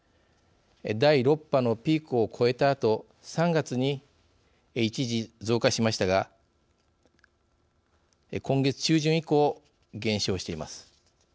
第６波のピークを越えたあと３月に一時増加しましたが今月中旬以降減少しています。